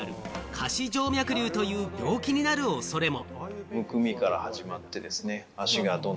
下肢静脈瘤という病気になる恐れも。